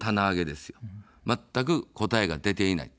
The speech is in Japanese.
まったく答えが出ていない。